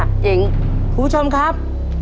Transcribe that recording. คุณผู้ชมครับ